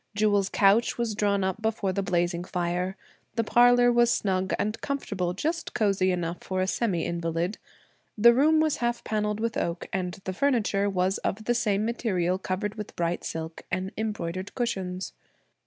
Jewel's couch was drawn up before the blazing fire; the parlor was snug and comfortable, just cosey enough for a semi invalid. The room was half panelled with oak, and the furniture was of the same material covered with bright silk and embroidered cushions.